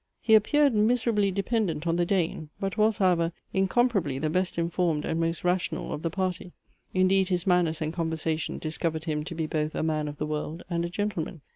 He appeared miserably dependent on the Dane; but was, however, incomparably the best informed and most rational of the party. Indeed his manners and conversation discovered him to be both a man of the world and a gentleman.